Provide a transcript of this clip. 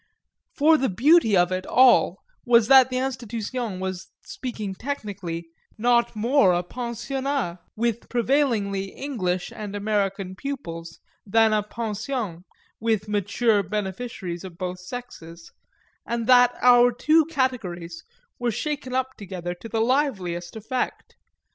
For the beauty of it all was that the Institution was, speaking technically, not more a pensionnat, with prevailingly English and American pupils, than a pension, with mature beneficiaries of both sexes, and that our two categories were shaken up together to the liveliest effect.